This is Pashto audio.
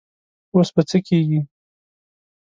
اوس به څه کيږي؟